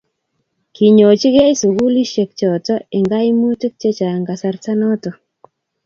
kinyochigei sukulisiek choto eng' kaimutik che chang' kasarta noto